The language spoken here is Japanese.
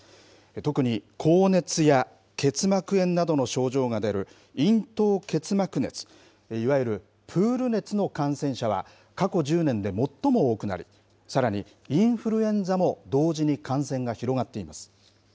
特に高熱や結膜炎などの症状が出る咽頭結膜熱、いわゆるプール熱の感染者は、過去１０年で最も多くなり、さらにインフルエンザも同時に感染が広がっています。